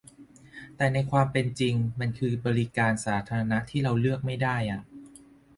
แต่ในความเป็นจริงมันคือบริการสาธารณะที่เราเลือกไม่ได้อ่ะ